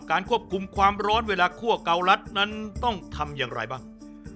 ควบคุมความร้อนเวลาคั่วเกาลัดนั้นต้องทำอย่างไรบ้าง